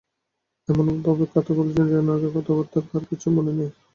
এবং এমনভাবে কথা বলছেন, যেন আগের কথাবার্তা তাঁর কিছুই মনে নেই।